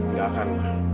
nggak akan ma